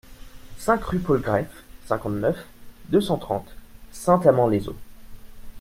cinq rue Paul Greffe, cinquante-neuf, deux cent trente, Saint-Amand-les-Eaux